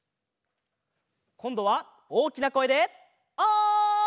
こんどはおおきなこえでおい！